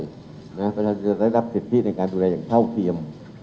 เพราะฉะนั้นจะได้รับสิทธิในการดูแลอย่างเท่าเทียม